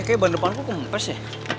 eh kayaknya ban depanku kempes ya